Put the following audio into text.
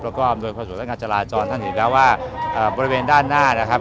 แล้วก็อำนวยประสบการณ์จาราจรท่านเห็นแล้วว่าบริเวณด้านหน้านะครับ